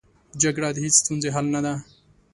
جګړه د هېڅ ستونزې حل نه ده